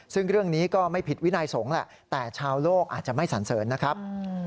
ซึ่งเรื่องนี้ก็ไม่ผิดวินัยสงฆ์แหละแต่ชาวโลกอาจจะไม่สันเสริญนะครับ